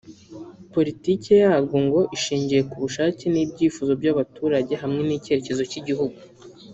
politiki yarwo ngo ishingiye ku bushake n’ibyifuzo by’abaturage hamwe n’icyerekezo cy’igihugu